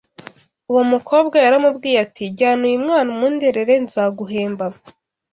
uwo mukobwa yaramubwiye ati jyana uyu mwana umunderere nzaguhemba